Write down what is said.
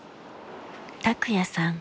卓也さん